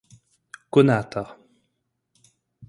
konata